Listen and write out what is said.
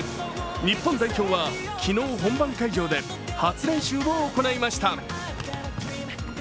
日本代表は昨日、本番会場で初練習を行いました。